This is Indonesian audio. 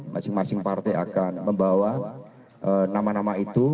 masing masing partai akan membawa nama nama itu